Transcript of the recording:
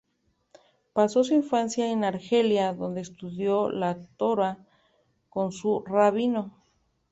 Pasó su infancia en Argelia, donde estudió la torá con su rabino.